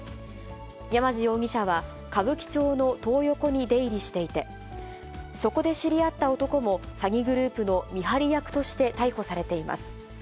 山地容疑者は、歌舞伎町のトー横に出入りしていて、そこで知り合った男も詐欺グループの見張り役として逮捕されています。